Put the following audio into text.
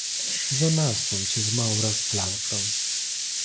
زه ناست وم چې زما ورځ پلان کړم.